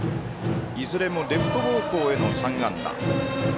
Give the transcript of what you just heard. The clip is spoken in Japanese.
いずれもレフト方向への３安打。